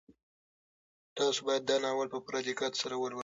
تاسو باید دا ناول په پوره دقت سره ولولئ.